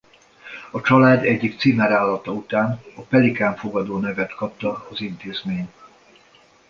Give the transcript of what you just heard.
A család egyik címerállata után a Pelikán Fogadó nevet kapta az intézmény.